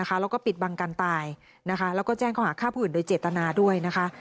แล้วก็ปิดบังการตายแล้วก็แจ้งข้อหาฆ่าผู้อื่นโดยเจตนาด้วยนะคะ